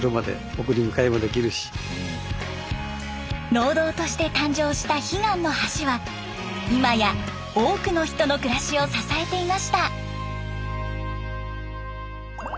農道として誕生した悲願の橋は今や多くの人の暮らしを支えていました。